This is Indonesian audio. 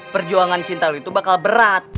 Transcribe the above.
perjuangan cinta lu itu bakal berat